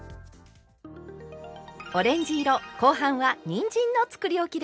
オレンジ色後半はにんじんのつくりおきです。